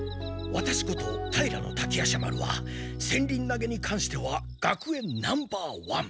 ワタシこと平滝夜叉丸は戦輪投げにかんしては学園ナンバーワン。